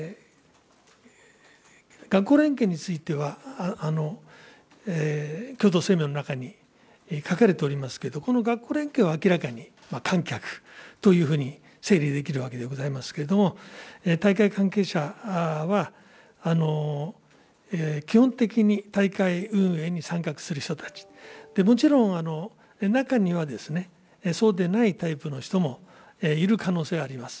学校連携については、共同声明の中に書かれておりますけど、この学校連携は明らかに観客というふうに整理できるわけでございますけれども、大会関係者は、基本的に大会運営に参画する人たち、もちろん、中にはそうでないタイプの人もいる可能性があります。